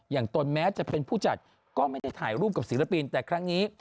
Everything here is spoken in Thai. ตนแม้จะเป็นผู้จัดก็ไม่ได้ถ่ายรูปกับศิลปินแต่ครั้งนี้